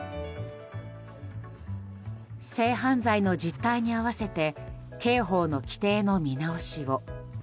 性犯罪の実態に合わせて刑法の規定の見直しを。